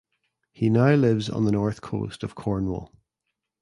He now lives on the north coast of Cornwall.